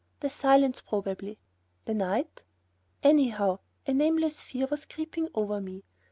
The silence probably ... the night ... anyhow, a nameless fear was creeping over me.